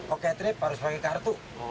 oke trip harus pakai kartu